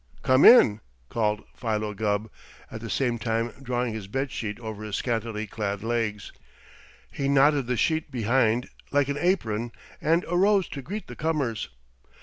"Come in!" called Philo Gubb, at the same time drawing his bed sheet over his scantily clad legs. He knotted the sheet behind, like an apron, and arose to greet the comers.